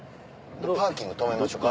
パーキング止めましょうか？